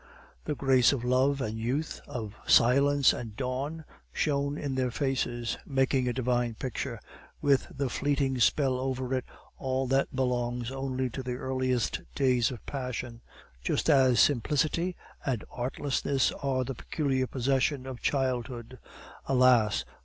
The grace of love and youth, of silence and dawn, shone in their faces, making a divine picture, with the fleeting spell over it all that belongs only to the earliest days of passion, just as simplicity and artlessness are the peculiar possession of childhood. Alas!